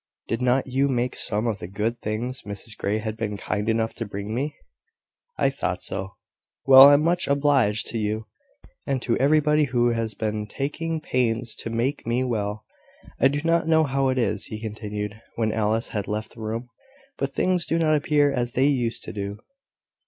Did not you make some of the good things Mrs Grey has been kind enough to bring me? I thought so. Well, I'm much obliged to you; and to everybody who has been taking pains to make me well. I do not know how it is," he continued, when Alice had left the room, "but things do not appear as they used to do.